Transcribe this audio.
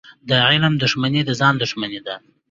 د علم دښمني د ځان دښمني ده.